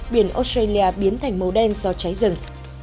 biển australia biến thành màu đen do cháy rừng